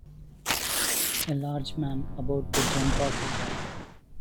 A large man about to jump off a car.